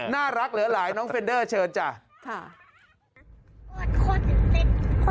น่ารักเหลือหลายน้องเฟนเดอร์เชิญจ้ะค่ะ